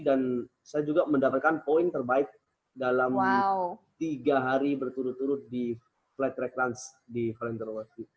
dan saya juga mendapatkan poin terbaik dalam tiga hari berturut turut di flat track lunch di valentino rozi